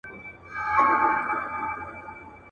چي حساب د نادارۍ ورکړي ظالم ته.